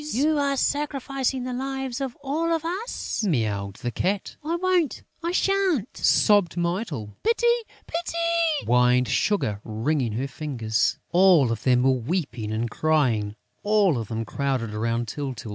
"You are sacrificing the lives of all of us," mewed the Cat. "I won't! I sha'n't!" sobbed Mytyl. "Pity! Pity!" whined Sugar, wringing his fingers. All of them were weeping and crying, all of them crowded round Tyltyl.